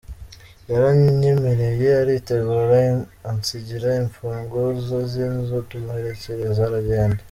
Yaranyemereye aritegura ansigira imfunguzio z’inzu ndamuhererkeza aragenda.